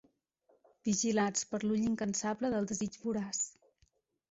Vigilats per l'ull incansable del desig voraç.